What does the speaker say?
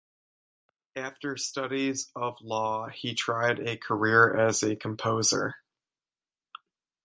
After studies of law he tried a career as a composer.